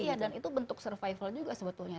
iya dan itu bentuk survival juga sebetulnya